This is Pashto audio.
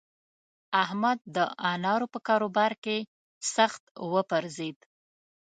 احمد د انارو په کاروبار کې سخت وپرځېد.